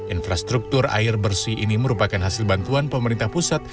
infrastruktur air bersih ini merupakan hasil bantuan pemerintah pusat